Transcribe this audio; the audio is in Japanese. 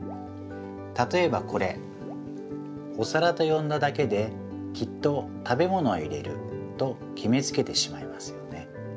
たとえばこれおさらとよんだだけできっと食べものを入れるときめつけてしまいますよね。